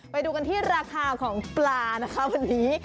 ไปดูกันที่ราคาของปลานะคะวันนี้